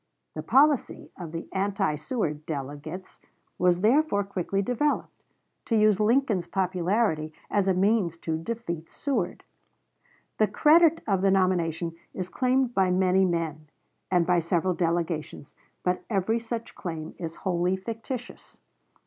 The policy of the anti Seward delegates was therefore quickly developed to use Lincoln's popularity as a means to defeat Seward. The credit of the nomination is claimed by many men, and by several delegations, but every such claim is wholly fictitious.